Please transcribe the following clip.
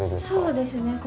そうですね